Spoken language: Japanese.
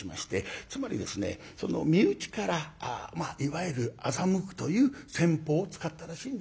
つまりですね身内からいわゆる欺くという戦法を使ったらしいんですよ。